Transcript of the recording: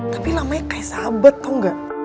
tapi lamanya kayak sahabat tau gak